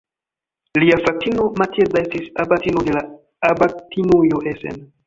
Lia fratino Matilda estis abatino de la abatinujo Essen.